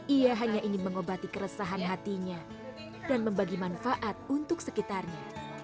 ia hanya ingin mengobati keresahan hatinya dan membagi manfaat untuk sekitarnya